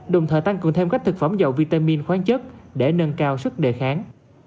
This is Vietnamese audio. đồng thời tăng cường thêm các thực phẩm dầu vitamin khoáng chất để nâng cao sức đề kháng